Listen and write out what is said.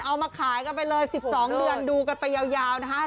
เอามาขายกันไปเลย๑๒เดือนดูกันไปยาวนะคะ